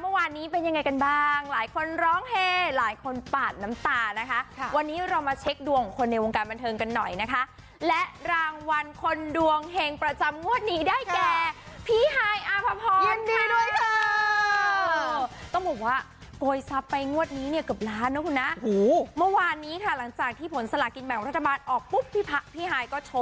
เมื่อวานนี้เป็นยังไงกันบ้างหลายคนร้องเฮหลายคนปาดน้ำตานะคะวันนี้เรามาเช็คดวงของคนในวงการบันเทิงกันหน่อยนะคะและรางวัลคนดวงเห็งประจำงวดนี้ได้แก่พี่ฮายอาภพรยินดีด้วยค่ะต้องบอกว่าโกยทรัพย์ไปงวดนี้เนี่ยเกือบล้านนะคุณนะเมื่อวานนี้ค่ะหลังจากที่ผลสลากินแบ่งรัฐบาลออกปุ๊บพี่ฮายก็ช